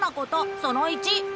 その１。